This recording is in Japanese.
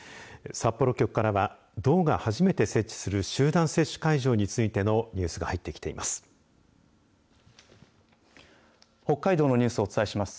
札幌局からは道が初めて設置する集団接種会場についてのニュースが入ってきています。